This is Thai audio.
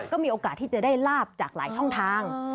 ก็มีโอกาสที่จะได้ลาบจากหลายช่องทาง